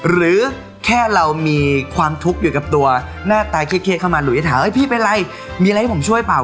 หรือแค่เรามีความทุกข์อยู่กับตัวหน้าตาเครียดเข้ามาหลุยจะถามพี่เป็นไรมีอะไรให้ผมช่วยเปล่า